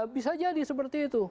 bisa jadi seperti itu